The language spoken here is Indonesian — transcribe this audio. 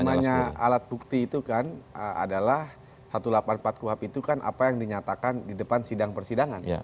namanya alat bukti itu kan adalah satu ratus delapan puluh empat kuhap itu kan apa yang dinyatakan di depan sidang persidangan